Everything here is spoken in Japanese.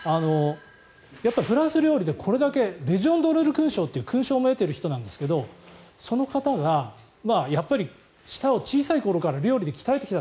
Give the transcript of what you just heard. やっぱりフランス料理でこれだけレジオン・ドヌール勲章という勲章も得ている人なんですがその方がやっぱり、舌を小さい頃から料理で鍛えてきた。